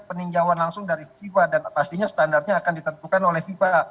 peninjauan langsung dari fifa dan pastinya standarnya akan ditentukan oleh fifa